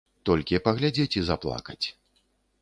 Толькі паглядзець і заплакаць.